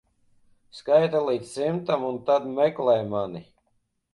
Skaiti līdz simtam un tad meklē mani.